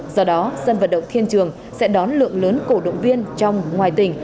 do đó sân vận động thiên trường sẽ đón lượng lớn cổ động viên trong ngoài tỉnh